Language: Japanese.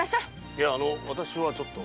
いや私はちょっと。